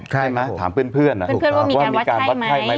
ใช่ไหมถามเพื่อนว่ามีการวัดไข้ไหม